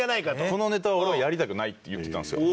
このネタは俺はやりたくないって言ってたんですよ。